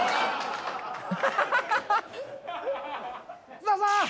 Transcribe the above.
菅田さん！